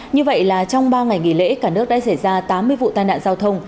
như vậy là trong ba ngày nghỉ lễ cả nước đã xảy ra tám mươi vụ tai nạn giao thông